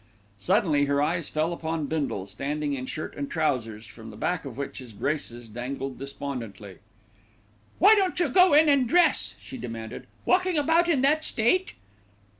Suddenly her eye fell upon Bindle, standing in shirt and trousers, from the back of which his braces dangled despondently. "Why don't you go in and dress?" she demanded. "Walking about in that state!"